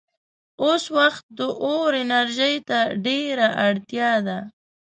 اوس وخت د اور انرژۍ ته ډېره اړتیا ده.